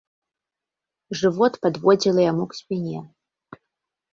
Жывот падводзіла яму к спіне.